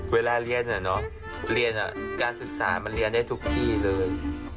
เวลาเรียนเนี่ยเนาะเรียนอ่ะการศึกษามันเรียนได้ทุกที่เลย